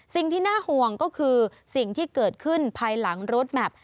สิ่งที่น่าห่วงก็คือสิ่งที่เกิดขึ้นภายหลังรถแมพ